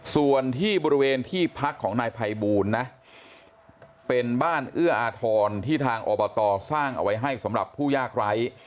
ส่วนที่บริเวณที่พักของนายภัยบูลนะเป็นบ้านเอื้ออาทรที่ทางอบตสร้างเอาไว้ให้สำหรับผู้ยากไร้